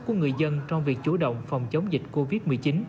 của người dân trong việc chủ động phòng chống dịch covid một mươi chín